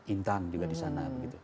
intan juga di sana